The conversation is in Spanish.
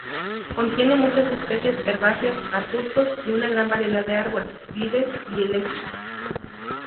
Contiene muchas especies herbáceas, arbustos y una gran variedad de árboles, vides y helechos.